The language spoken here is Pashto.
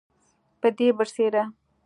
پدې برسیره